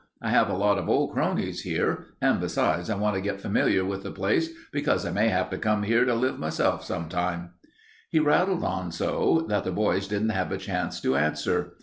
I have a lot of old cronies here, and besides, I want to get familiar with the place because I may have to come here to live myself sometime." He rattled on so that the boys didn't have a chance to answer.